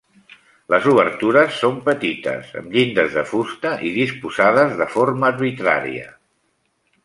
Les obertures són petites, amb llindes de fusta i disposades de forma arbitrària.